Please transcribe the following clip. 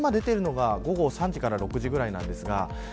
今、出ているのが午後３時から６時ぐらいです。